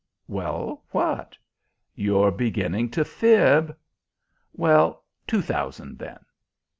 "Well, what?" "You're beginning to fib." "Well, two thousand, then."